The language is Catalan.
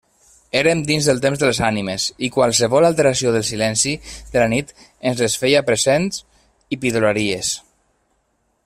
Érem dins del temps de les ànimes, i qualsevol alteració del silenci de la nit ens les feia presents i pidolaries.